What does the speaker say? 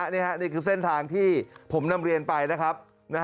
นี่คือเส้นทางที่ผมนำเรียนไปนะครับ